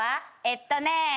えっとね。